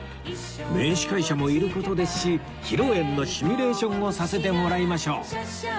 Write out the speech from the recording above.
名司会者もいる事ですし披露宴のシミュレーションをさせてもらいましょう